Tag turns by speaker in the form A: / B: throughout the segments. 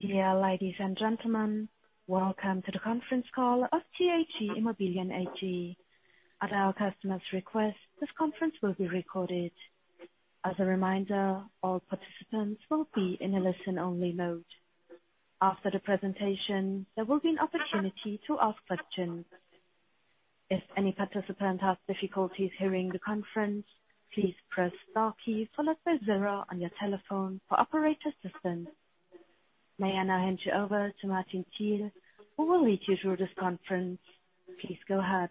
A: Yeah, ladies and gentlemen, welcome to the conference call of TAG Immobilien AG. At our customer's request, this conference will be recorded. As a reminder, all participants will be in a listen-only mode. After the presentation, there will be an opportunity to ask questions. If any participant has difficulties hearing the conference, please press star key followed by zero on your telephone for operator assistance. May I now hand you over to Martin Thiel, who will lead you through this conference. Please go ahead.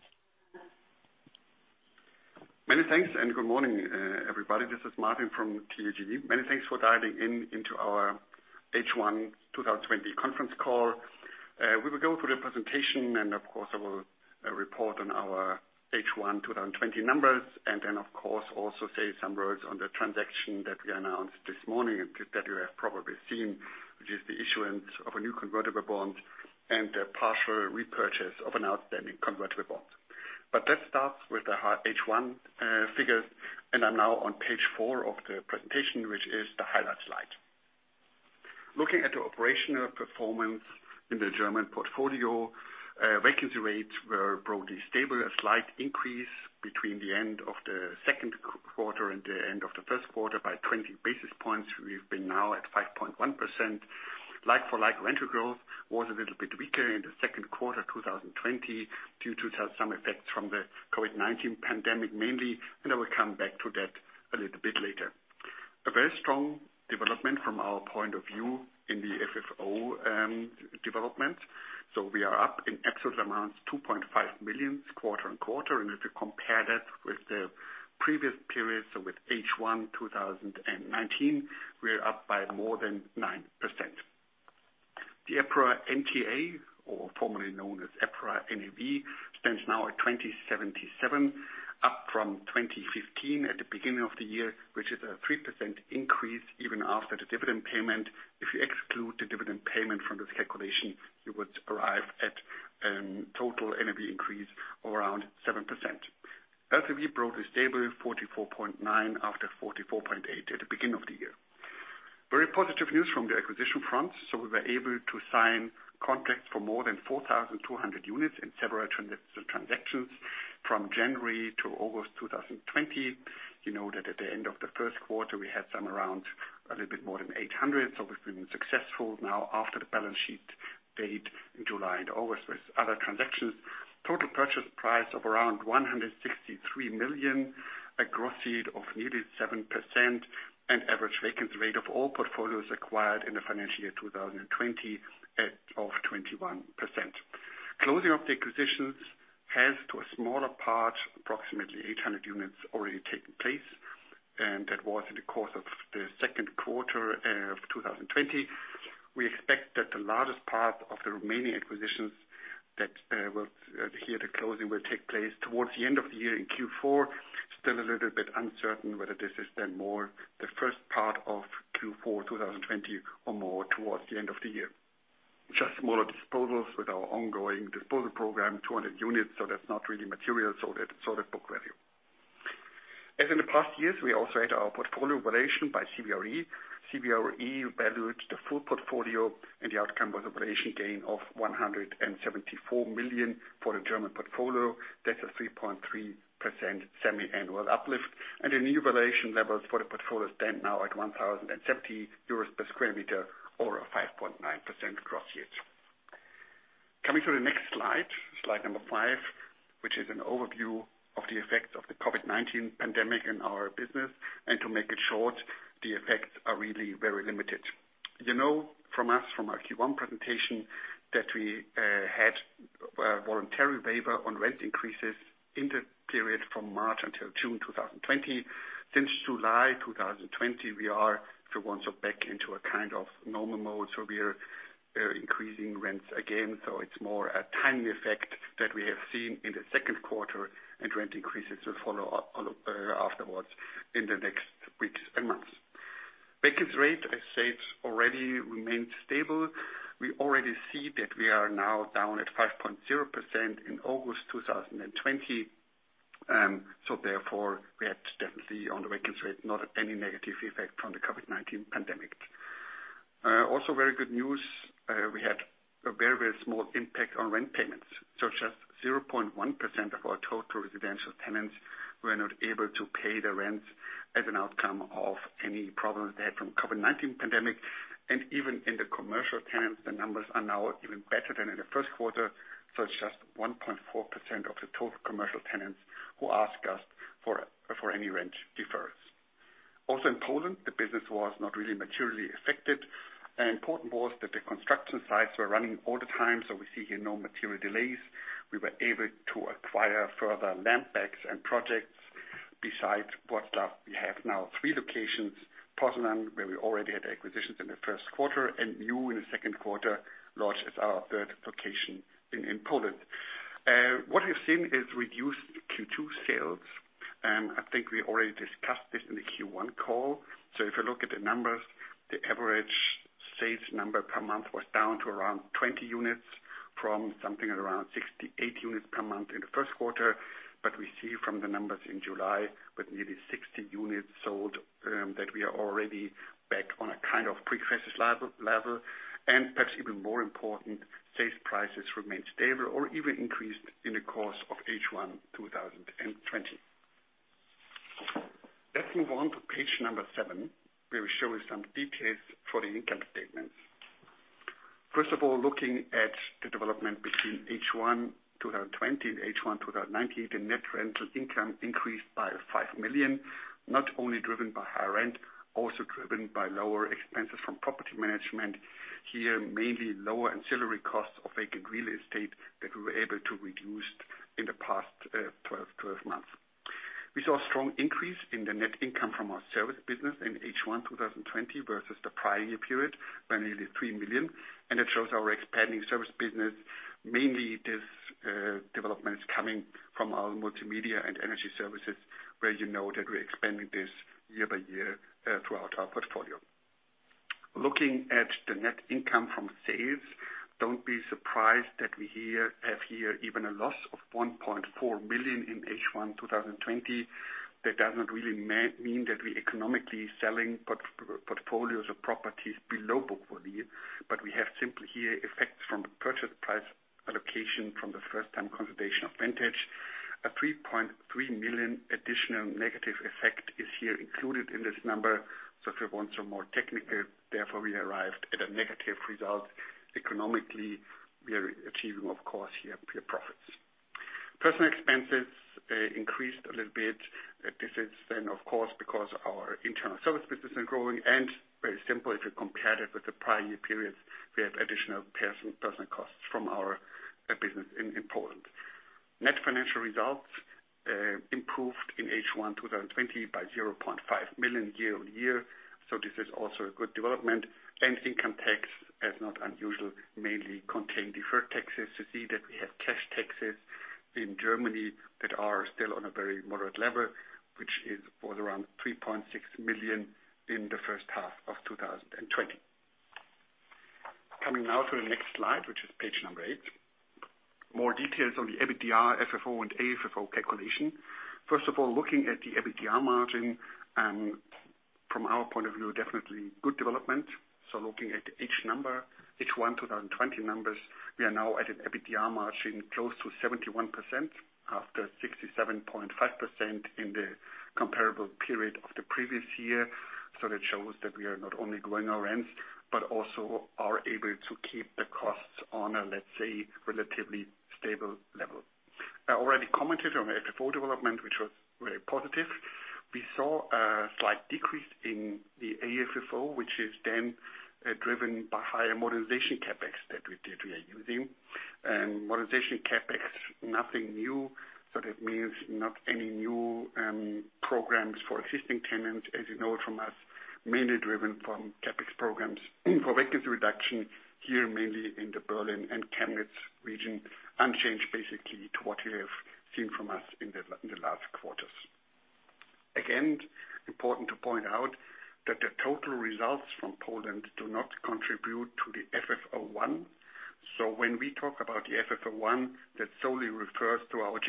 B: Many thanks, good morning, everybody. This is Martin from TAG. Many thanks for dialing into our H1 2020 conference call. We will go through the presentation, and of course I will report on our H1 2020 numbers and then, of course, also say some words on the transaction that we announced this morning that you have probably seen, which is the issuance of a new convertible bond and a partial repurchase of an outstanding convertible bond. Let's start with the H1 figures, and I'm now on page four of the presentation, which is the highlight slide. Looking at the operational performance in the German portfolio, vacancy rates were broadly stable. A slight increase between the end of the second quarter and the end of the first quarter by 20 basis points. We've been now at 5.1%. Like-for-like rental growth was a little bit weaker in the second quarter 2020 due to some effects from the COVID-19 pandemic mainly, I will come back to that a little bit later. A very strong development from our point of view in the FFO development. We are up in absolute amounts, 2.5 million quarter-on-quarter, and if you compare that with the previous periods, with H1 2019, we are up by more than 9%. The EPRA NTA, or formerly known as EPRA NAV, stands now at 20.77, up from 20.15 at the beginning of the year, which is a 3% increase even after the dividend payment. If you exclude the dividend payment from this calculation, you would arrive at total NAV increase of around 7%. LTV broadly stable at 44.9% after 44.8% at the beginning of the year. Very positive news from the acquisition front. We were able to sign contracts for more than 4,200 units in several transactions from January to August 2020. You know that at the end of the first quarter, we had some around a little bit more than 800. We've been successful now, after the balance sheet date in July and August, with other transactions. Total purchase price of around 163 million, a gross yield of nearly 7% and average vacancy rate of all portfolios acquired in the financial year 2020 of 21%. Closing of the acquisitions has, to a smaller part, approximately 800 units already taken place, and that was in the course of the second quarter of 2020. We expect that the largest part of the remaining acquisitions here the closing will take place towards the end of the year in Q4. Still a little bit uncertain whether this is then more the first part of Q4 2020 or more towards the end of the year. Smaller disposals with our ongoing disposal program, 200 units. That's not really material, so that's book value. As in the past years, we also had our portfolio valuation by CBRE. CBRE valued the full portfolio, and the outcome was a valuation gain of 174 million for the German portfolio. That's a 3.3% semi-annual uplift. The new valuation levels for the portfolio stand now at 1,070 euros per sq m or a 5.9% gross yield. Coming to the next slide number five, which is an overview of the effects of the COVID-19 pandemic in our business. To make it short, the effects are really very limited. You know from us from our Q1 presentation that we had a voluntary waiver on rent increases in the period from March until June 2020. July 2020, we are, for once, back into a kind of normal mode. We're increasing rents again. It's more a timing effect that we have seen in the second quarter. Rent increases will follow up, afterwards, in the next weeks and months. Vacancy rate, as said already, remained stable. We already see that we are now down at 5.0% in August 2020. Therefore we had definitely on the vacancy rate not any negative effect from the COVID-19 pandemic. Very good news, we had a very small impact on rent payments. Just 0.1% of our total residential tenants were not able to pay the rent as an outcome of any problems they had from COVID-19 pandemic. Even in the commercial tenants, the numbers are now even better than in the first quarter. It's just 1.4% of the total commercial tenants who ask us for any rent deferrals. In Poland, the business was not really materially affected, and important was that the construction sites were running all the time. We see here no material delays. We were able to acquire further land banks and projects. Besides Warsaw, we have now three locations. Poznań, where we already had acquisitions in the first quarter, and new in the second quarter, Łódź is our third location in Poland. What we've seen is reduced Q2 sales. I think we already discussed this in the Q1 call. If you look at the numbers, the average sales number per month was down to around 20 units from something around 68 units per month in the first quarter. We see from the numbers in July, with nearly 60 units sold, that we are already back on a kind of pre-crisis level. Perhaps even more important, sales prices remained stable or even increased in the course of H1 2020. Let's move on to page number seven, where we show you some details for the income statement. First of all, looking at the development between H1 2020 and H1 2019, the net rental income increased by 5 million, not only driven by higher rent, also driven by lower expenses from property management. Here, mainly lower ancillary costs of vacant real estate that we were able to reduce in the past 12 months. We saw a strong increase in the net income from our service business in H1 2020 versus the prior year period by nearly 3 million, and it shows our expanding service business. Mainly, this development is coming from our multimedia and energy services, where you know that we're expanding this year by year throughout our portfolio. Looking at the net income from sales, don't be surprised that we have here even a loss of 1.4 million in H1 2020. That does not really mean that we economically selling portfolios of properties below book value, but we have simply here effects from the purchase price allocation from the first time consolidation of Vantage. A 3.3 million additional negative effect is here included in this number. If you want some more technical, therefore, we arrived at a negative result. Economically, we are achieving, of course, here pure profits. Personal expenses increased a little bit. This is, of course, because our internal service business is growing and very simple; if you compare it with the prior year periods, we have additional personal costs from our business in Poland. Net financial results improved in H1 2020 by 0.5 million year-on-year. This is also a good development. Income tax, as not unusual, mainly contain deferred taxes to see that we have cash taxes in Germany that are still on a very moderate level, which is for around 3.6 million in the first half of 2020. Coming now to the next slide, which is page number eight. More details on the EBITDA, FFO and AFFO calculation. First of all, looking at the EBITDA margin, and from our point of view, definitely good development. Looking at each number, H1 2020 numbers, we are now at an EBITDA margin close to 71% after 67.5% in the comparable period of the previous year. That shows that we are not only growing our rents, but also are able to keep the costs on a, let's say, relatively stable level. I already commented on the FFO development, which was very positive. We saw a slight decrease in the AFFO, which is then driven by higher modernization CapEx that we are using. Modernization CapEx, nothing new. That means not any new programs for existing tenants. As you know from us, mainly driven from CapEx programs for vacancy reduction here, mainly in the Berlin and Chemnitz region, unchanged basically to what you have seen from us in the last quarters. Again, important to point out that the total results from Poland do not contribute to the FFO I. When we talk about the FFO I, that solely refers to our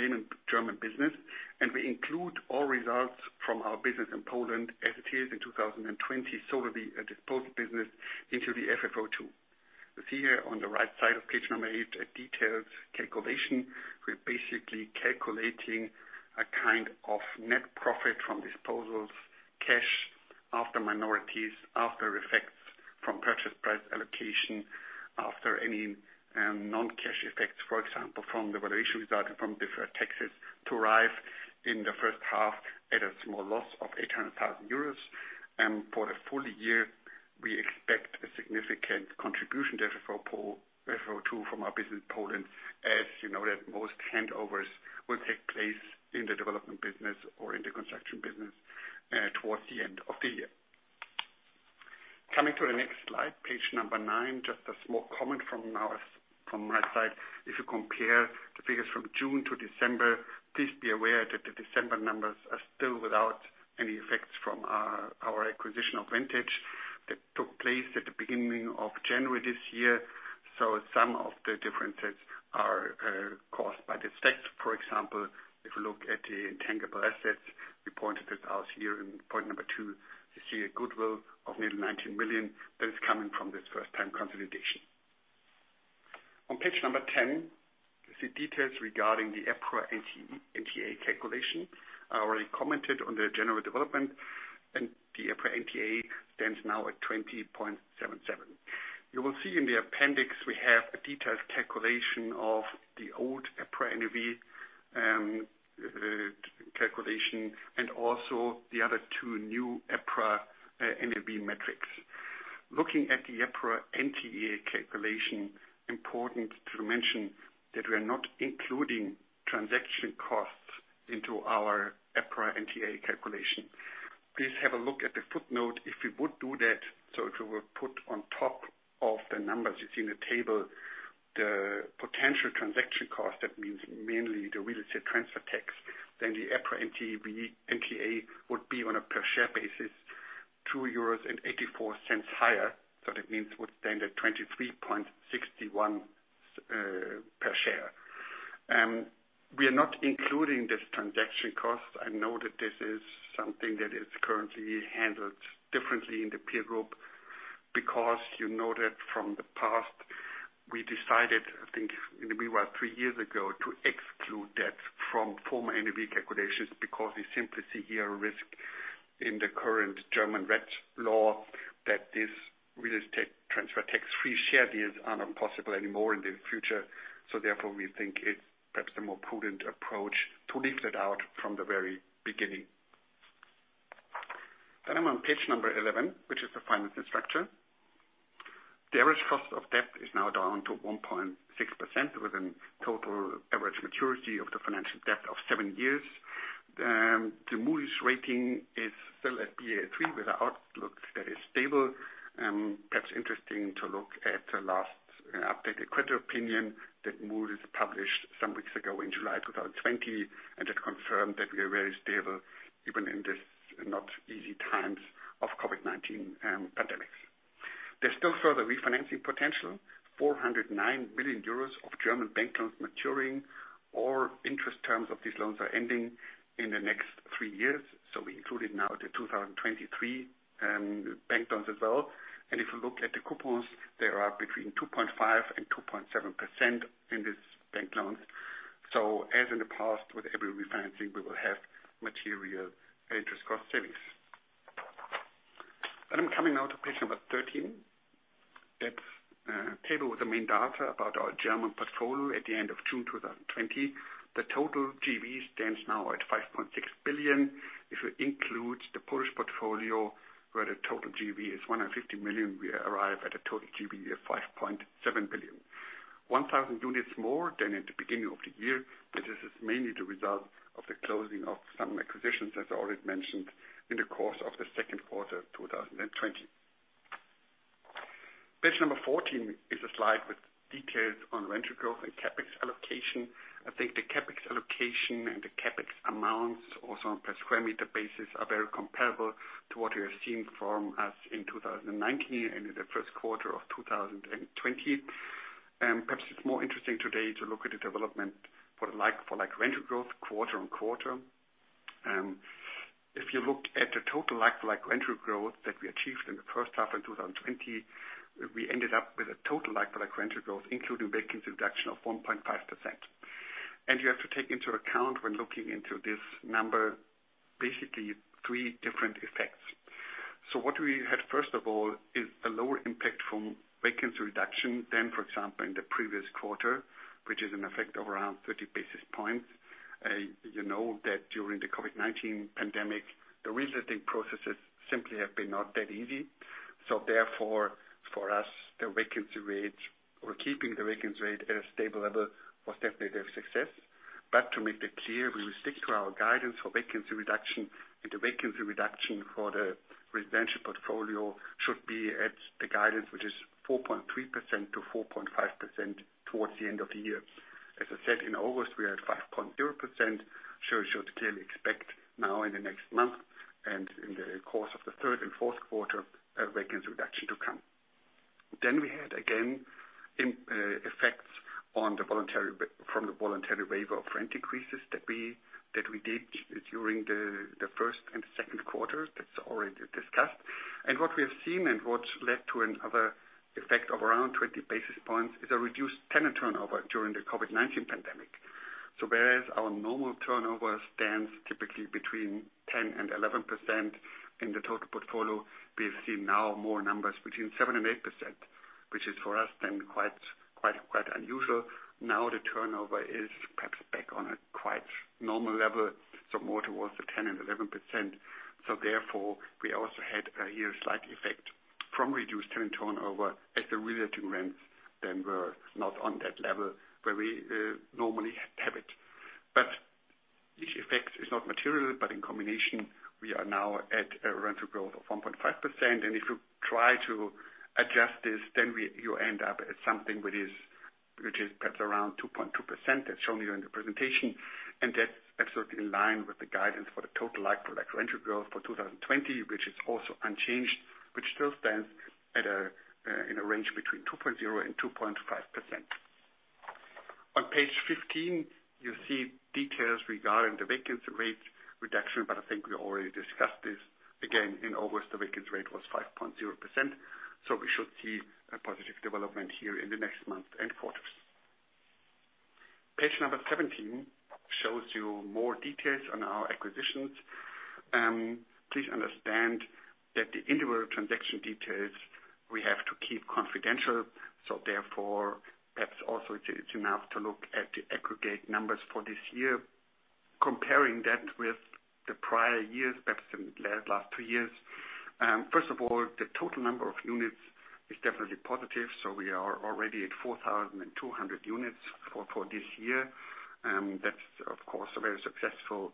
B: German business, and we include all results from our business in Poland as it is in 2020, solely a disposed business into the FFO II. You see here on the right side of page number eight, a detailed calculation. We're basically calculating a kind of net profit from disposals, cash after minorities, after effects from purchase price allocation, after any non-cash effects, for example, from the valuation resulting from deferred taxes, to arrive in the first half at a small loss of 800,000 euros. For the full year, we expect a significant contribution to FFO II from our business in Poland, as you know that most handovers will take place in the development business or in the construction business towards the end of the year. Coming to the next slide, page number nine, just a small comment from my side. If you compare the figures from June to December, please be aware that the December numbers are still without any effects from our acquisition of Vantage that took place at the beginning of January this year. Some of the differences are caused by this effect. For example, if you look at the intangible assets, we pointed this out here in point number two, you see a goodwill of nearly 19 million that is coming from this first-time consolidation. On page 10, you see details regarding the EPRA NTA calculation. I already commented on the general development, and the EPRA NTA stands now at 20.77. You will see in the appendix, we have a detailed calculation of the old EPRA NAV calculation and also the other two new EPRA NAV metrics. Looking at the EPRA NTA calculation, important to mention that we are not including transaction costs into our EPRA NTA calculation. Please have a look at the footnote. If we would do that, so if we were to put on top of the numbers you see in the table, the potential transaction cost, that means mainly the real estate transfer tax, then the EPRA NAV, NTA would be on a per share basis, 2.84 euros higher. That means it would stand at 23.61 per share. We are not including this transaction cost. I know that this is something that is currently handled differently in the peer group, because you know that from the past, we decided, I think maybe around three years ago, to exclude that from formal NAV calculations, because we simply see here a risk in the current German rent law that this real estate transfer tax-free share deals are not possible anymore in the future. Therefore, we think it's perhaps the more prudent approach to leave that out from the very beginning. I'm on page number 11, which is the financing structure. The average cost of debt is now down to 1.6% with a total average maturity of the financial debt of seven years. The Moody's rating is still at Baa3 with an outlook that is stable. Perhaps interesting to look at the last updated credit opinion that Moody's published some weeks ago in July 2020, and that confirmed that we are very stable even in these not easy times of COVID-19 pandemic. There's still further refinancing potential, 409 billion euros of German bank loans maturing or interest terms of these loans are ending in the next three years. We included now the 2023 bank loans as well. If you look at the coupons, they are between 2.5% and 2.7% in these bank loans. I'm coming now to page number 13. That's a table with the main data about our German portfolio at the end of June 2020. The total GAV stands now at 5.6 billion. If we include the Polish portfolio, where the total GAV is 150 million, we arrive at a total GAV of 5.7 billion. 1,000 units more than at the beginning of the year. This is mainly the result of the closing of some acquisitions, as I already mentioned, in the course of the second quarter of 2020. Page number 14 is a slide with details on rental growth and CapEx allocation. I think the CapEx allocation and the CapEx amounts, also on per square meter basis, are very comparable to what you have seen from us in 2019 and in the first quarter of 2020. Perhaps it's more interesting today to look at the development for like-for-like rental growth quarter-on-quarter. If you look at the total like-for-like rental growth that we achieved in the first half of 2020, we ended up with a total like-for-like rental growth, including vacancy reduction of 1.5%. You have to take into account when looking into this number, basically, three different effects. What we had, first of all, is a lower impact from vacancy reduction than, for example, in the previous quarter, which is an effect of around 30 basis points. You know that during the COVID-19 pandemic, the reletting processes simply have been not that easy. Therefore, for us, the vacancy rate or keeping the vacancy rate at a stable level was definitely a success. To make that clear, we will stick to our guidance for vacancy reduction, and the vacancy reduction for the residential portfolio should be at the guidance, which is 4.3%-4.5% towards the end of the year. As I said, in August, we are at 5.0%, we should clearly expect now in the next month and in the course of the third and fourth quarter, a vacancy reduction to come. We had, again, effects from the voluntary waiver of rent increases that we did during the first and second quarter, that is already discussed. What we have seen and what led to another effect of around 20 basis points is a reduced tenant turnover during the COVID-19 pandemic. Whereas our normal turnover stands typically between 10% and 11% in the total portfolio, we have seen more numbers between 7% and 8%, which is for us then quite unusual. The turnover is perhaps back on a quite normal level, so more towards the 10% and 11%. Therefore, we also had here a slight effect from reduced tenant turnover as the reletting rents then were not on that level where we normally have it. This effect is not material, but in combination, we are now at a rental growth of 1.5%. If you try to adjust this, then you end up at something which is perhaps around 2.2%, as shown here in the presentation, and that's absolutely in line with the guidance for the total like-for-like rental growth for 2020, which is also unchanged, which still stands in a range between 2.0% and 2.5%. On page 15, you see details regarding the vacancy rate reduction. I think we already discussed this. Again, in August, the vacancy rate was 5.0%. We should see a positive development here in the next month and quarters. Page number 17 shows you more details on our acquisitions. Please understand that the individual transaction details we have to keep confidential. Therefore, perhaps also it's enough to look at the aggregate numbers for this year. Comparing that with the prior years, perhaps in the last two years. First of all, the total number of units is definitely positive. We are already at 4,200 units for this year. That's, of course, a very successful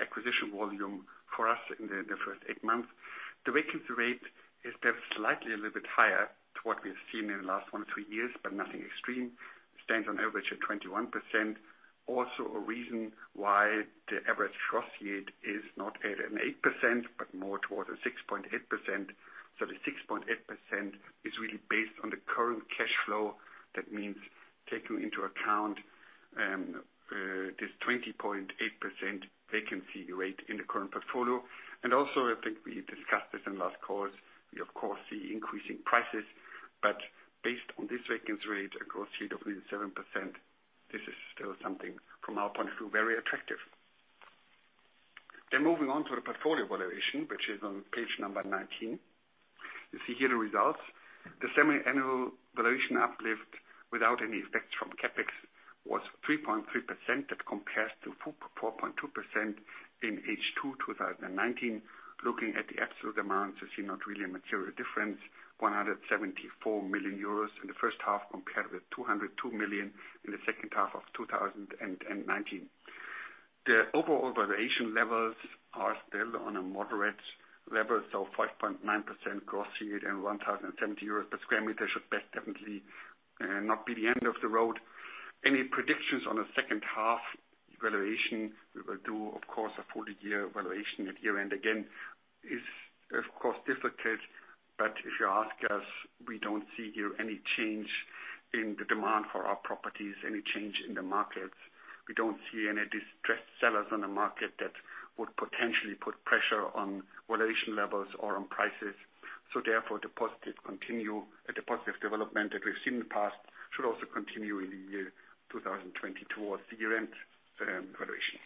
B: acquisition volume for us in the first eight months. The vacancy rate is definitely slightly a little bit higher to what we've seen in the last one to three years. Nothing extreme. A reason why the average gross yield is not at an 8%, but more towards a 6.8%. The 6.8% is really based on the current cash flow. That means taking into account this 20.8% vacancy rate in the current portfolio. I think we discussed this in the last calls. We of course see increasing prices, but based on this vacancy rate, a gross yield of only 7%, this is still something from our point of view, very attractive. Moving on to the portfolio valuation, which is on page number 19. You see here the results. The semi-annual valuation uplift without any effects from CapEx was 3.3%. That compares to 4.2% in H2 2019. Looking at the absolute demands, you see not really a material difference. 174 million euros in the first half compared with 202 million in the second half of 2019. The overall valuation levels are still on a moderate level, so 5.9% gross yield and 1,070 euros per square meter should best definitely not be the end of the road. Any predictions on a second-half valuation, we will do, of course, a full-year valuation at year-end again, is, of course, difficult. If you ask us, we don't see here any change in the demand for our properties, any change in the markets. We don't see any distressed sellers on the market that would potentially put pressure on valuation levels or on prices. Therefore, the positive development that we've seen in the past should also continue in the year 2020 towards the year-end valuation.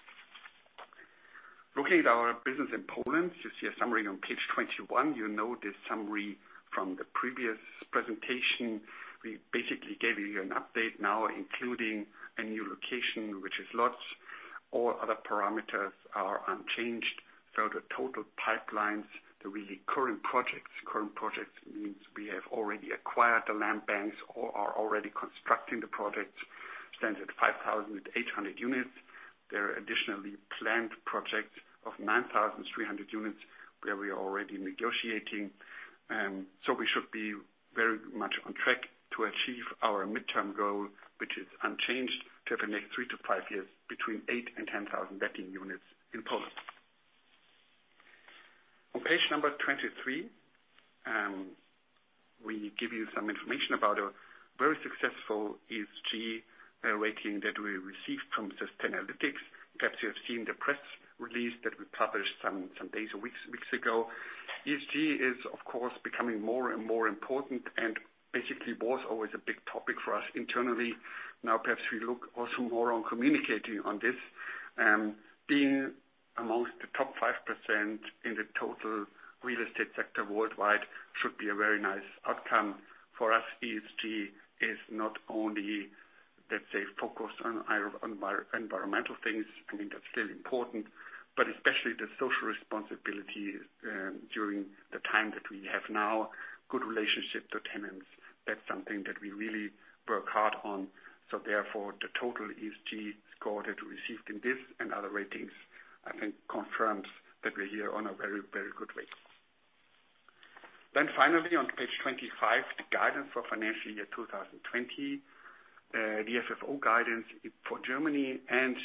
B: Looking at our business in Poland, you see a summary on page 21. You know this summary from the previous presentation. We basically gave you an update now, including a new location, which is Łódź. All other parameters are unchanged. The total pipelines, the really current projects, current projects means we have already acquired the land banks or are already constructing the projects, stands at 5,800 units. There are additionally planned projects of 9,300 units, where we are already negotiating. We should be very much on track to achieve our midterm goal, which is unchanged to the next three to five years, between 8,000 and 10,000 bedding units in Poland. On page number 23, we give you some information about a very successful ESG rating that we received from Sustainalytics. Perhaps you have seen the press release that we published some days or weeks ago. ESG is, of course, becoming more and more important and basically was always a big topic for us internally. Perhaps we look also more on communicating on this. Being amongst the top 5% in the total real estate sector worldwide should be a very nice outcome. For us, ESG is not only, let's say, focused on environmental things, I mean, that's still important, but especially the social responsibility, during the time that we have now, good relationship to tenants. That's something that we really work hard on. Therefore, the total ESG score that we received in this and other ratings, I think, confirms that we're here on a very good way. Finally, on page 25, the guidance for financial year 2020. The FFO guidance for Germany and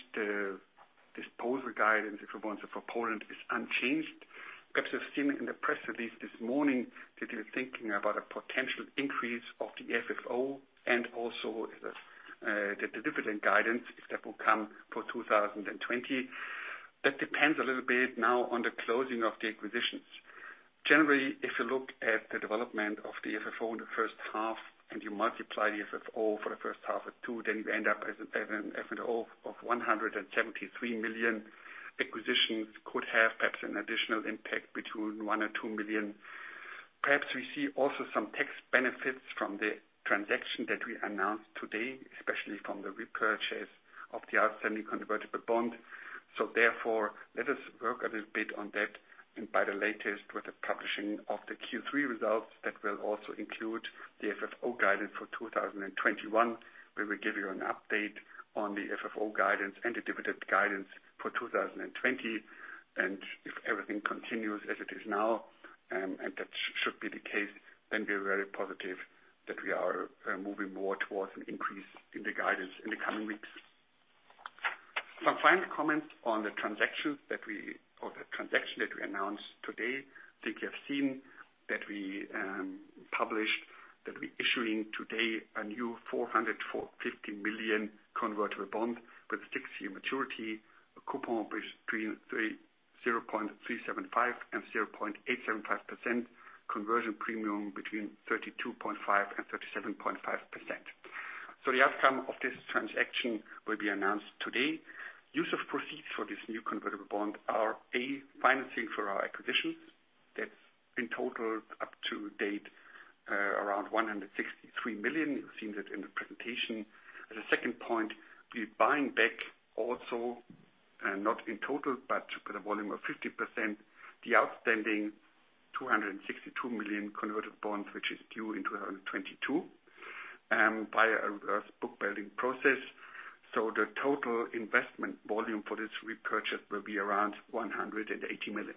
B: the disposal guidance requirements for Poland is unchanged. Perhaps you've seen in the press release this morning that we're thinking about a potential increase of the FFO and also the dividend guidance that will come for 2020. That depends a little bit now on the closing of the acquisitions. Generally, if you look at the development of the FFO in the first half, you multiply the FFO for the first half of two, then you end up as an FFO of 173 million. Acquisitions could have perhaps an additional impact between 1 million and 2 million. Perhaps we see also some tax benefits from the transaction that we announced today, especially from the repurchase of the outstanding convertible bond. Therefore, let us work a little bit on that and by the latest, with the publishing of the Q3 results that will also include the FFO guidance for 2021. We will give you an update on the FFO guidance and the dividend guidance for 2020. If everything continues as it is now, and that should be the case, then we are very positive that we are moving more towards an increase in the guidance in the coming weeks. Some final comments on the transaction that we announced today. I think you have seen that we published that we're issuing today a new 450 million convertible bond with a six-year maturity, a coupon between 0.375%-0.875%, conversion premium between 32.5%-37.5%. The outcome of this transaction will be announced today. Use of proceeds for this new convertible bond are, A, financing for our acquisitions. That's in total up to date, around 163 million. You've seen that in the presentation. As a second point, we're buying back not in total, but for the volume of 50%, the outstanding 262 million convertible bonds, which is due in 2022, by a book-building process. The total investment volume for this repurchase will be around 180 million.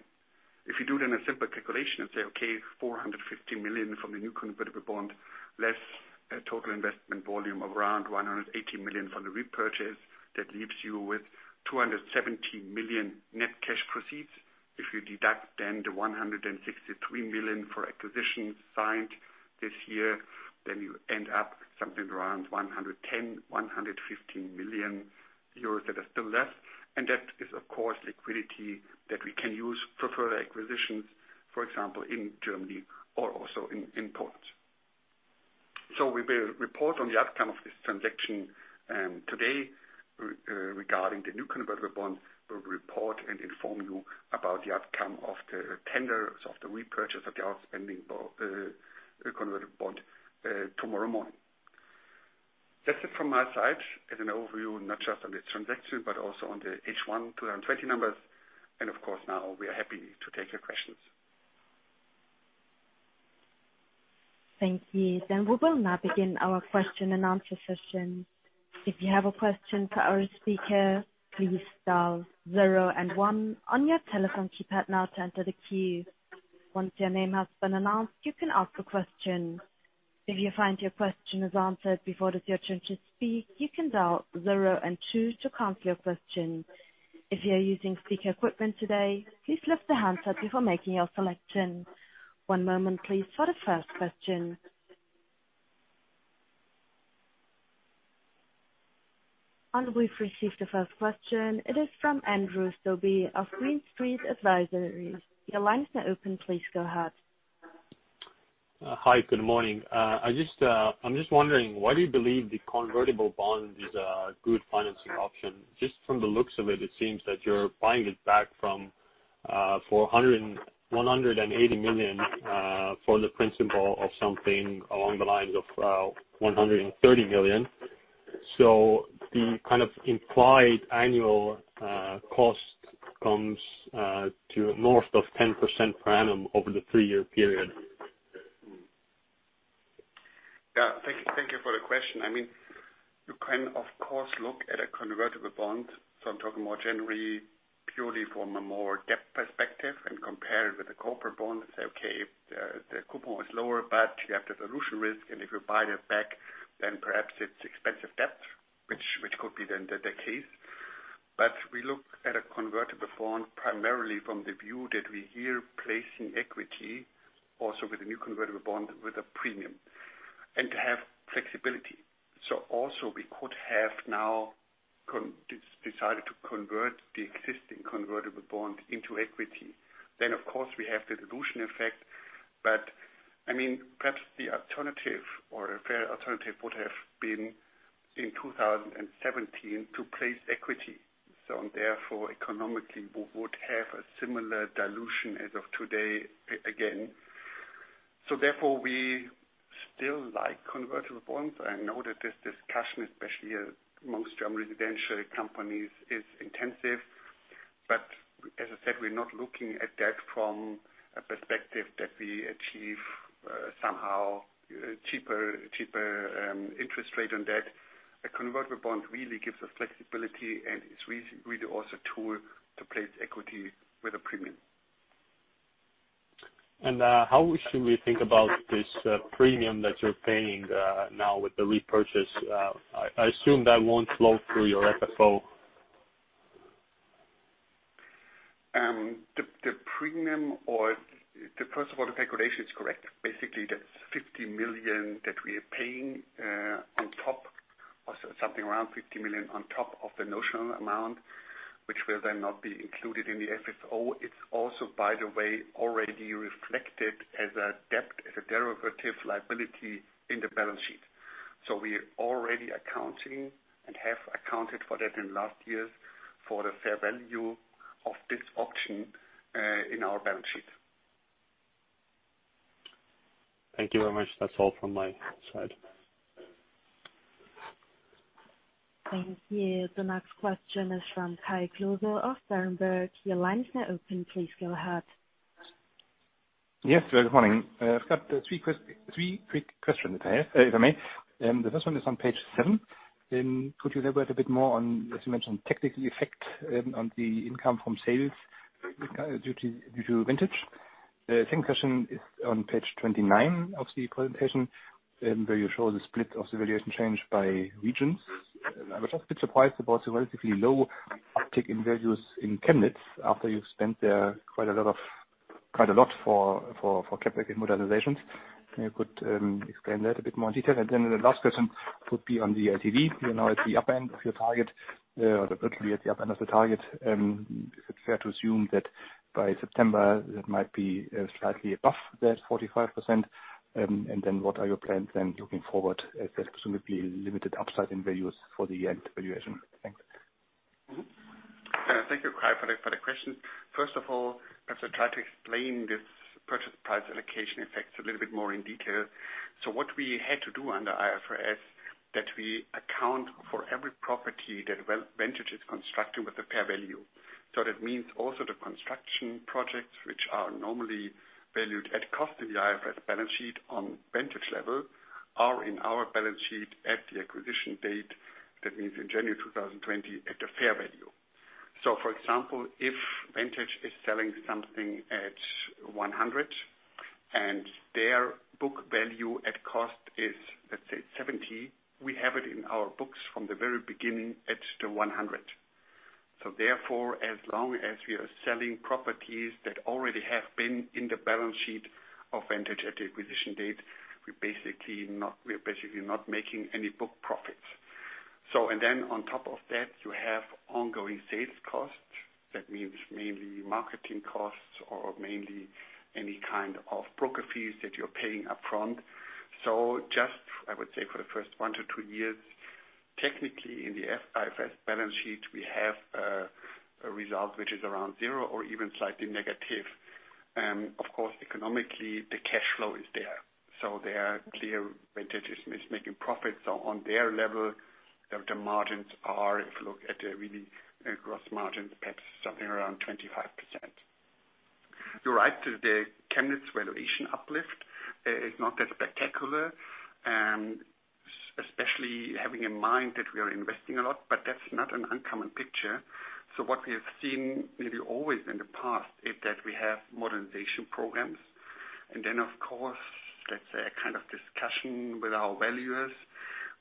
B: If you do a simple calculation and say, okay, 450 million from the new convertible bond, less a total investment volume of around 180 million from the repurchase, that leaves you with 270 million net cash proceeds. If you deduct the 163 million for acquisitions signed this year, then you end up something around 110 million-115 million euros that are still left. That is, of course, liquidity that we can use for further acquisitions, for example, in Germany or also in Poland. We will report on the outcome of this transaction today regarding the new convertible bond. We'll report and inform you about the outcome of the tenders of the repurchase of the outstanding convertible bond tomorrow morning. That's it from my side as an overview, not just on this transaction, but also on the H1 2020 numbers. Of course, now we are happy to take your questions.
A: Thank you. We will now begin our question-and-answer session. If you have a question for our speaker, please dial zero and one on your telephone keypad now to enter the queue. Once your name has been announced, you can ask a question. If you find your question is answered before it is your turn to speak, you can dial zero and two to cancel your question. If you are using speaker equipment today, please lift the handset before making your selection. One moment, please, for the first question. We've received the first question. It is from Andrew of Green Street Advisors. Your line is now open. Please go ahead.
C: Hi. Good morning. I'm just wondering why do you believe the convertible bond is a good financing option? Just from the looks of it seems that you're buying it back from 180 million for the principal of something along the lines of 130 million. The kind of implied annual cost comes to north of 10% per annum over the three-year period.
B: Yeah. Thank you for the question. I mean, you can, of course, look at a convertible bond. I'm talking more generally purely from a more debt perspective and compare it with the corporate bond and say, okay, if the coupon is lower, but you have the dilution risk, and if you buy that back, then perhaps it's expensive debt, which could be then the case. We look at a convertible bond primarily from the view that we are placing equity also with a new convertible bond with a premium, and to have flexibility. Also, we could have now decided to convert the existing convertible bond into equity. Of course, we have the dilution effect. I mean, perhaps the alternative or a fair alternative would have been in 2017 to place equity. Therefore economically we would have a similar dilution as of today again. Therefore, we still like convertible bonds. I know that this discussion, especially amongst German residential companies, is intensive. As I said, we are not looking at that from a perspective that we achieve, somehow cheaper interest rate on debt. A convertible bond really gives us flexibility, and it's really also a tool to place equity with a premium.
C: How should we think about this premium that you're paying now with the repurchase? I assume that won't flow through your FFO.
B: First of all, the calculation is correct. Basically, that's 50 million that we are paying on top or something around 50 million on top of the notional amount, which will then not be included in the FFO. It's also, by the way, already reflected as a debt, as a derivative liability in the balance sheet. We are already accounting and have accounted for that in last year's for the fair value of this option in our balance sheet.
C: Thank you very much. That's all from my side.
A: Thank you. The next question is from Kai Klose of Berenberg. Your line is now open. Please go ahead.
D: Yes, good morning. I've got three quick questions if I may. The first one is on page seven. Could you elaborate a bit more on, as you mentioned, technical effect on the income from sales due to Vantage? Second question is on page 29 of the presentation, where you show the split of the valuation change by regions. I was a bit surprised about the relatively low uptick in values in Chemnitz after you've spent there quite a lot for CapEx and modernizations. If you could explain that a bit more in detail. The last question would be on the LTV. You're now at the upper end of your target, or virtually at the upper end of the target. Is it fair to assume that by September, that might be slightly above that 45%? What are your plans then, looking forward, as there's presumably limited upside in values for the end valuation? Thanks.
B: Thank you, Kai, for the question. First of all, as I try to explain this purchase price allocation effects a little bit more in detail. What we had to do under IFRS. That we account for every property that Vantage is constructing with a fair value. That means also the construction projects, which are normally valued at cost in the IFRS balance sheet on Vantage level, are in our balance sheet at the acquisition date, that means in January 2020, at the fair value. For example, if Vantage is selling something at 100 and their book value at cost is, let's say 70, we have it in our books from the very beginning at the 100. Therefore, as long as we are selling properties that already have been in the balance sheet of Vantage at the acquisition date, we're basically not making any book profits. On top of that, you have ongoing sales costs. That means mainly marketing costs or mainly any kind of broker fees that you're paying upfront. Just, I would say for the first one to two years, technically in the IFRS balance sheet, we have a result which is around zero or even slightly negative. Of course, economically, the cash flow is there. They are clear Vantage is making profits on their level, the margins are, if you look at the really gross margins, perhaps something around 25%. You're right that the Chemnitz valuation uplift is not that spectacular, especially having in mind that we are investing a lot, but that's not an uncommon picture. What we have seen, maybe always in the past, is that we have modernization programs. Of course, that's a kind of discussion with our valuers.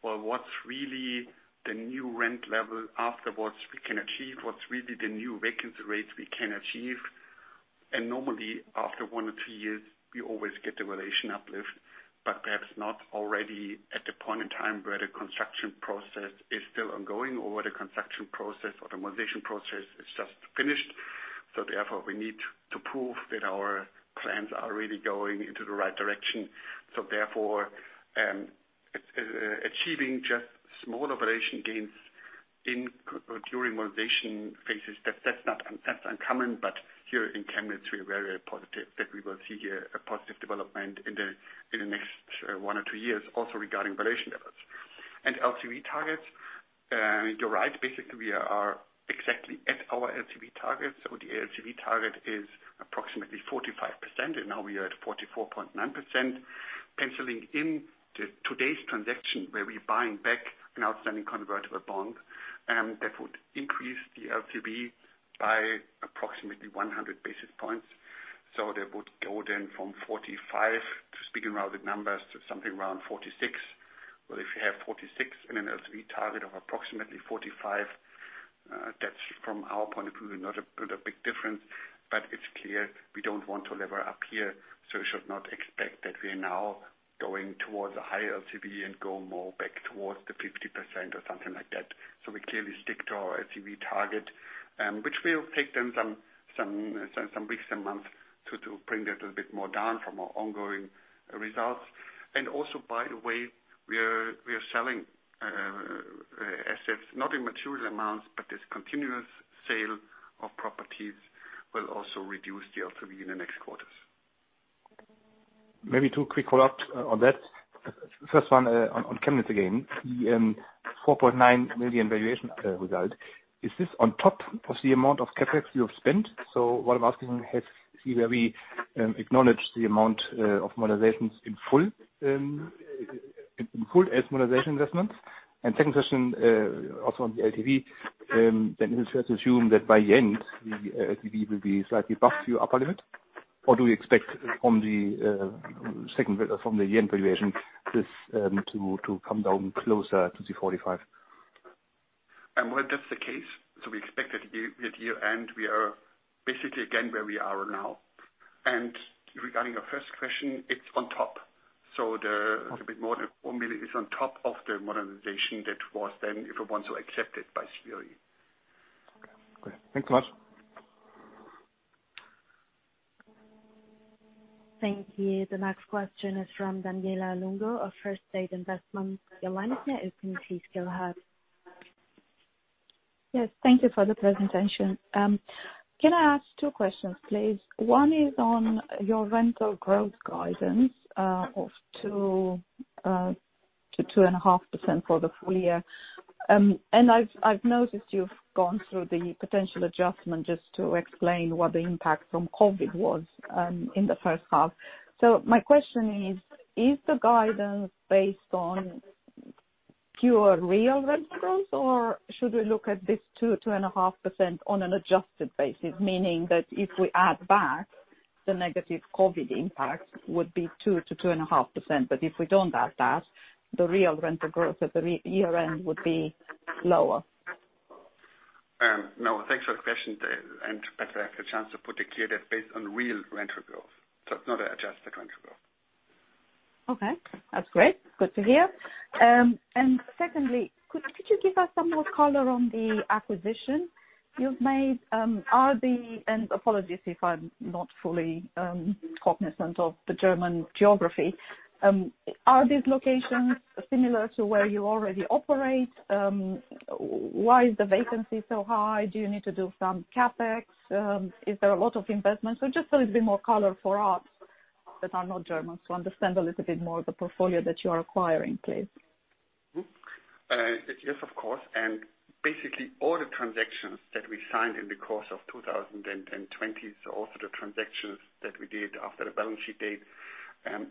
B: What's really the new rent level afterwards we can achieve? What's really the new vacancy rates we can achieve? Normally, after one or two years, we always get the valuation uplift, but perhaps not already at the point in time where the construction process is still ongoing or where the construction process or modernization process is just finished. Therefore, we need to prove that our plans are really going into the right direction. Therefore, achieving just small valuation gains during modernization phases that's uncommon, but here in Chemnitz, we are very positive that we will see here a positive development in the next one or two years, also regarding valuation levels. LTV targets. You're right. Basically, we are exactly at our LTV target. The LTV target is approximately 45%, and now we are at 44.9%. Canceling in today's transaction, where we're buying back an outstanding convertible bond, that would increase the LTV by approximately 100 basis points. That would go then from 45, to speaking rounded numbers, to something around 46. Well, if you have 46 in an LTV target of approximately 45, that's from our point of view, not a big difference. It's clear we don't want to lever up here, so you should not expect that we are now going towards a higher LTV and go more back towards the 50% or something like that. We clearly stick to our LTV target, which will take them some weeks and months to bring that a little bit more down from our ongoing results. Also, by the way, we are selling assets, not in material amounts, but this continuous sale of properties will also reduce the LTV in the next quarters.
D: Maybe two quick follow-ups on that. First one on Chemnitz again. The 4.9 million valuation result. Is this on top of the amount of CapEx you have spent? What I'm asking, has CBRE acknowledged the amount of modernizations in full as modernization investments? Second question, also on the LTV, is it fair to assume that by the end, the LTV will be slightly above your upper limit? Do you expect from the second quarter from the year-end valuation, this to come down closer to the 45%?
B: That's the case. We expect that at year-end, we are basically again where we are now. Regarding your first question, it's on top. The little bit more than 4 million is on top of the modernization that was then, if I want to, accepted by CBRE.
D: Okay. Great. Thank you much.
A: Thank you. The next question is from Daniela Lungu of First Sentier Investors. Your line is now open. Please go ahead.
E: Yes. Thank you for the presentation. Can I ask two questions, please? One is on your rental growth guidance of 2%-2.5% for the full year. I've noticed you've gone through the potential adjustment just to explain what the impact from COVID-19 was in the first half. My question is the guidance based on pure real rentals or should we look at this 2%-2.5% on an adjusted basis, meaning that if we add back the negative COVID-19 impact would be 2%-2.5%, but if we don't add that, the real rental growth at the year-end would be lower?
B: No. Thanks for the question. Perhaps I have the chance to put it clear that it's based on real rental growth. It's not adjusted rental growth.
E: Okay. That's great. Good to hear. Secondly, could you give us some more color on the acquisition you've made? Apologies if I'm not fully cognizant of the German geography. Are these locations similar to where you already operate? Why is the vacancy so high? Do you need to do some CapEx? Is there a lot of investment? Just a little bit more color for us that are not Germans to understand a little bit more of the portfolio that you are acquiring, please.
B: Yes, of course. Basically, all the transactions that we signed in the course of 2020, so also the transactions that we did after the balance sheet date,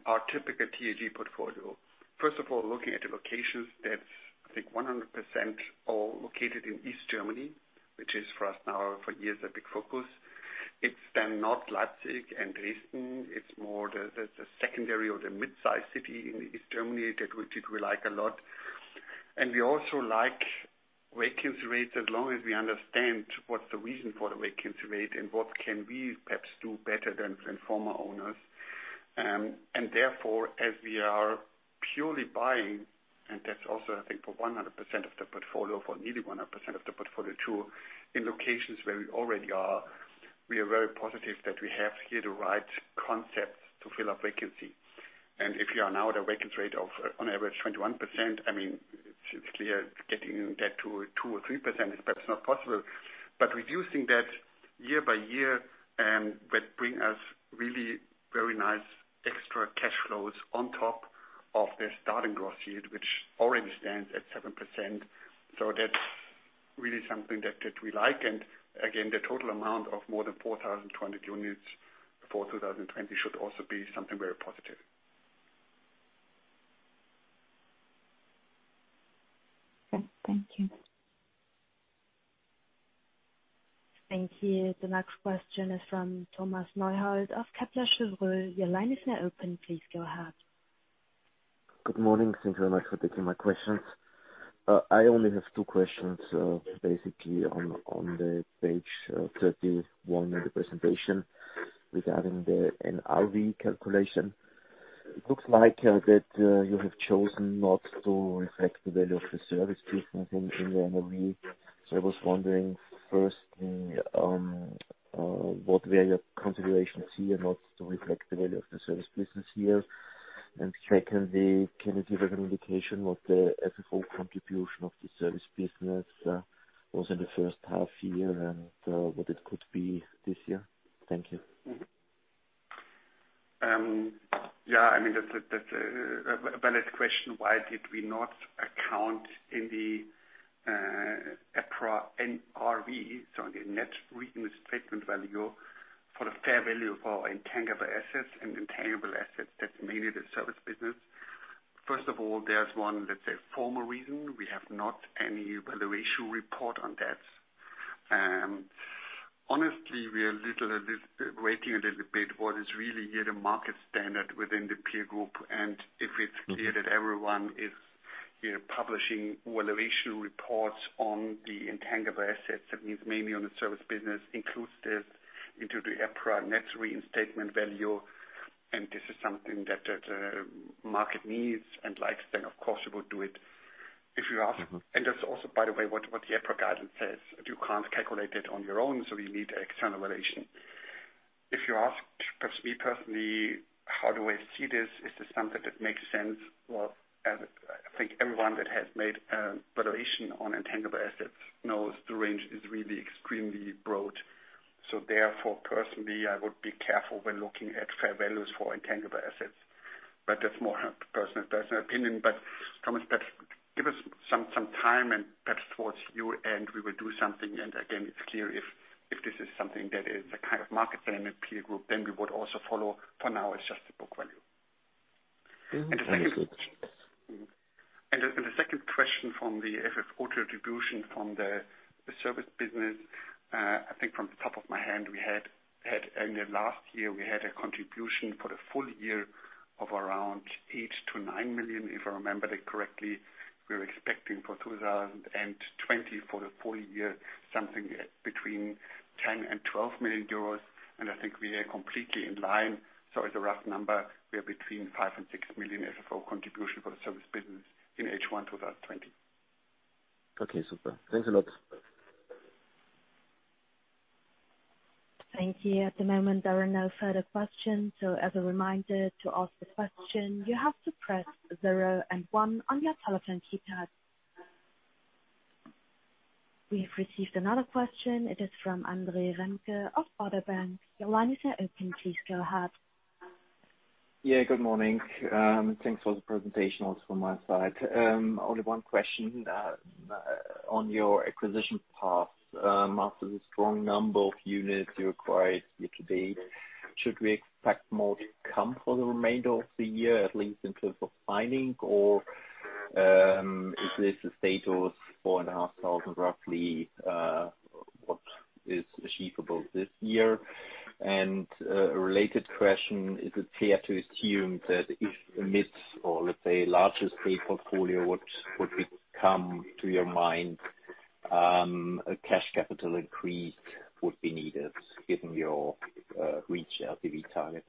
B: are typical TAG portfolio. First of all, looking at the locations, that's, I think 100% all located in East Germany, which is for us now for years a big focus. It's not Leipzig and Dresden. It's more the secondary or the mid-size city in East Germany, which we like a lot. We also like vacancy rates as long as we understand what's the reason for the vacancy rate and what can we perhaps do better than former owners. Therefore, as we are purely buying, and that's also, I think, for 100% of the portfolio, for nearly 100% of the portfolio too, in locations where we already are. We are very positive that we have here the right concepts to fill up vacancy. If you are now at a vacancy rate of, on average, 21%, it's clear getting that to 2% or 3% is perhaps not possible. Reducing that year by year, and would bring us really very nice extra cash flows on top of the starting gross yield, which already stands at 7%. That's really something that we like. Again, the total amount of more than 4,020 units for 2020 should also be something very positive.
E: Okay. Thank you.
A: Thank you. The next question is from Thomas Neuhold of Kepler Cheuvreux. Your line is now open. Please go ahead.
F: Good morning. Thanks very much for taking my questions. I only have two questions. Basically, on the page 31 of the presentation regarding the NRV calculation. It looks like that you have chosen not to reflect the value of the service business in the NRV. I was wondering, firstly, what were your considerations here not to reflect the value of the service business here? Secondly, can you give us an indication what the FFO contribution of the service business was in the first half year and what it could be this year? Thank you.
B: Yeah. That's a valid question. Why did we not account in the EPRA NRV, so the Net Reinstatement Value, for the fair value of our intangible assets, that's mainly the service business. First of all, there's one, let's say, formal reason. We have not any valuation report on that. Honestly, we are waiting a little bit what is really here the market standard within the peer group, and if it's clear that everyone is publishing valuation reports on the intangible assets. That means mainly on the service business includes this into the EPRA Net Reinstatement Value. This is something that the market needs and likes, then of course, we will do it. That's also, by the way, what the EPRA guidance says. You can't calculate it on your own, so you need external valuation. If you ask me personally, how do I see this? Is this something that makes sense? Well, I think everyone that has made a valuation on intangible assets knows the range is really extremely broad. Therefore, personally, I would be careful when looking at fair values for intangible assets. That's more personal opinion. Thomas, give us some time and perhaps towards year-end, we will do something. Again, it's clear if this is something that is a kind of market standard peer group, then we would also follow. For now, it's just the book value. The second question from the FFO distribution from the service business. I think from the top of my hand, we had ended last year, we had a contribution for the full year of around 8 million-9 million, if I remember that correctly. We're expecting for 2020 for the full year, something between 10 million and 12 million euros. I think we are completely in line. As a rough number, we are between 5 million and 6 million FFO contribution for the service business in H1 2020.
F: Okay, super. Thanks a lot.
A: Thank you. At the moment, there are no further questions. As a reminder to ask the question, you have to press zero and one on your telephone keypad. We have received another question. It is from Andre Remke of Baader Bank. Your line is now open. Please go ahead.
G: Yeah, good morning. Thanks for the presentation, also from my side. Only one question. On your acquisition path, after the strong number of units you acquired year-to-date, should we expect more to come for the remainder of the year, at least in terms of finding, or is this status 4,500 roughly what is achievable this year? A related question, is it fair to assume that if the mix, or let's say larger state portfolio, what would come to your mind, cash capital increase would be needed, given your reach LTV target?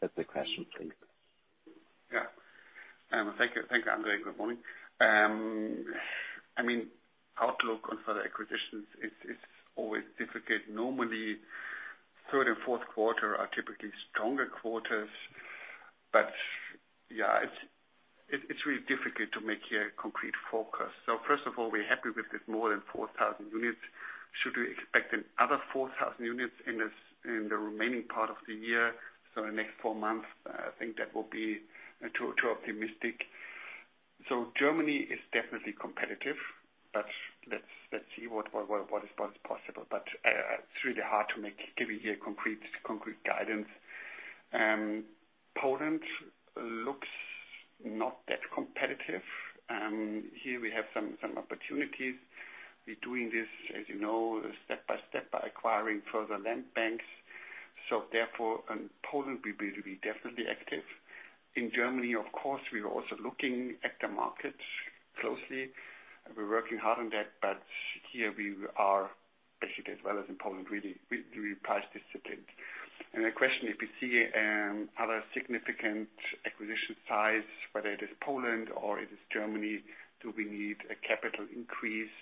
G: That's the question, please.
B: Thank you, Andre. Good morning. Outlook on further acquisitions, it's always difficult. Normally, third and fourth quarter are typically stronger quarters. It's really difficult to make a concrete forecast. First of all, we're happy with this, more than 4,000 units. Should we expect other 4,000 units in the remaining part of the year, so the next four months? I think that will be too optimistic. Germany is definitely competitive, but let's see what is possible. It's really hard to give you a concrete guidance. Poland looks not that competitive. Here we have some opportunities. We're doing this, as you know, step by step, by acquiring further land banks. Therefore, in Poland we will be definitely active. In Germany, of course, we are also looking at the market closely. We're working hard on that, but here we are actually, as well as in Poland, really price disciplined. The question, if you see other significant acquisition size, whether it is Poland or it is Germany, do we need a capital increase?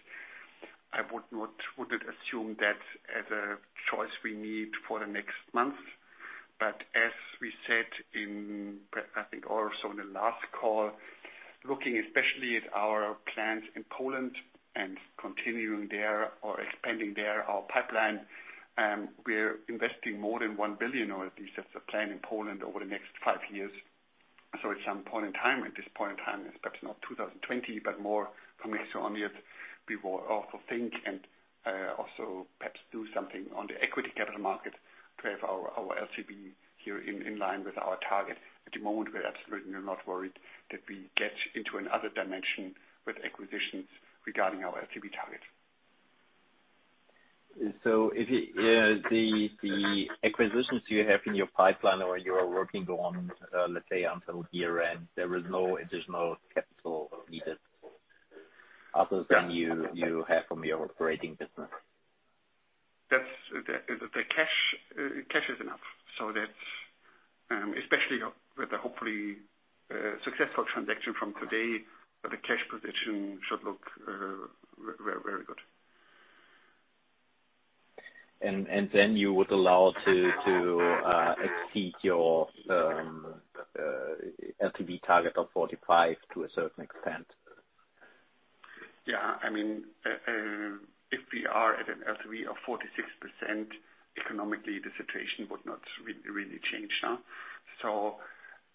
B: I wouldn't assume that as a choice we need for the next month. As we said in, I think also in the last call, looking especially at our plans in Poland and continuing there, or expanding our pipeline there, we're investing more than 1 billion, or at least that's the plan in Poland over the next five years. At some point in time, at this point in time, perhaps not 2020, but more from next year onward, we will also think and also perhaps do something on the equity capital market to have our LTV here in line with our target. At the moment, we're absolutely not worried that we get into another dimension with acquisitions regarding our LTV target.
G: The acquisitions you have in your pipeline, or you are working on, let's say until year-end, there is no additional capital needed other than you have from your operating business.
B: The cash is enough. That, especially with the hopefully successful transaction from today, the cash position should look very good.
G: You would allow to exceed your LTV target of 45 to a certain extent.
B: Yeah. If we are at an LTV of 46%, economically, the situation would not really change now.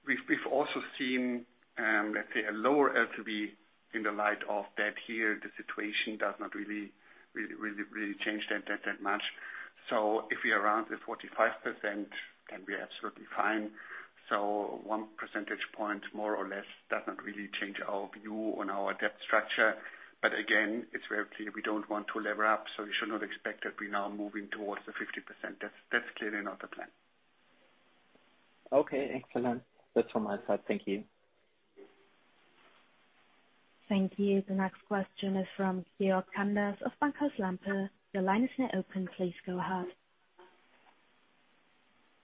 B: We've also seen, let's say, a lower LTV in the light of that, here, the situation does not really change that much. If we're around the 45%, then we're absolutely fine. One percentage point more or less does not really change our view on our debt structure. Again, it's very clear we don't want to lever up, so you should not expect that we're now moving towards the 50%. That's clearly not the plan.
G: Okay, excellent. That's from my side. Thank you.
A: Thank you. The next question is from Georg Kanders of Bankhaus Lampe. Your line is now open. Please go ahead.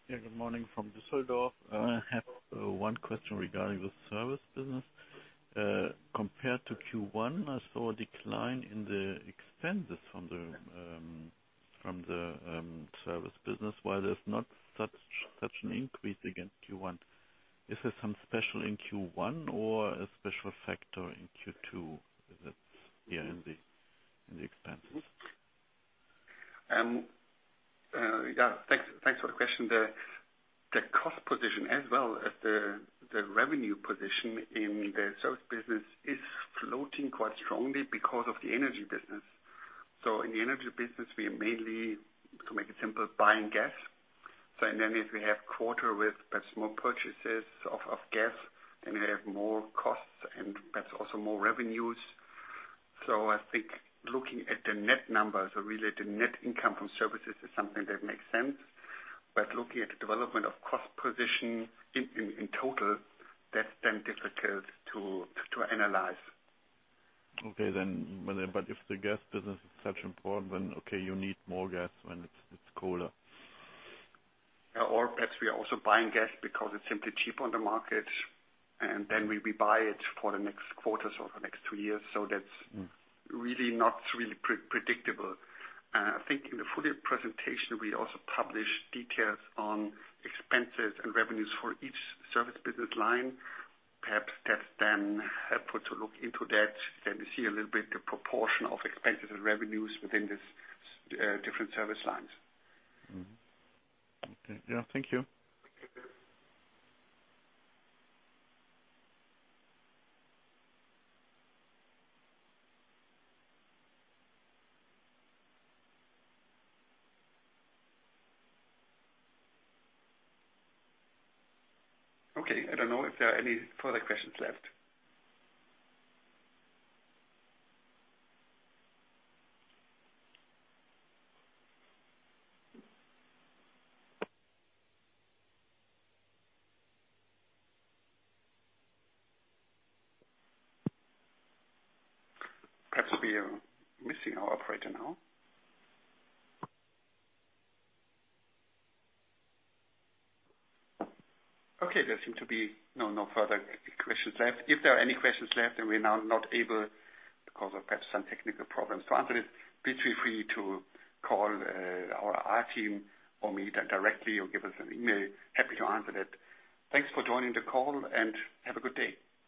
H: Yeah, good morning from Düsseldorf. I have one question regarding the service business. Compared to Q1, I saw a decline in the expenses from the service business. Why there's not such an increase against Q1? Is there some special in Q1 or a special factor in Q2 that's here in the expenses?
B: Yeah. Thanks for the question. The cost position as well as the revenue position in the service business is floating quite strongly because of the energy business. In the energy business, we are mainly, to make it simple, buying gas. In any case, we have quarter with perhaps more purchases of gas, and we have more costs and perhaps also more revenues. I think looking at the net numbers, or really the net income from services, is something that makes sense. Looking at the development of cost position in total, that's difficult to analyze.
H: Okay then. If the gas business is such important, you need more gas when it's colder.
B: Perhaps we are also buying gas because it's simply cheap on the market, and then we buy it for the next quarters or the next two years. That's really not predictable. I think in the full-year presentation, we also published details on expenses and revenues for each service business line. That's then helpful to look into that. We see a little bit the proportion of expenses and revenues within these different service lines.
H: Okay. Yeah. Thank you.
B: Okay. I don't know if there are any further questions left. Perhaps we are missing our operator now. Okay, there seem to be no further questions left. If there are any questions left and we are now not able because of perhaps some technical problems to answer it. Please feel free to call our team or me directly or give us an email. Happy to answer that. Thanks for joining the call, and have a good day.